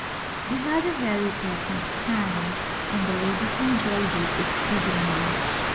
We had a very pleasant time and the ladies enjoyed it exceed ingly.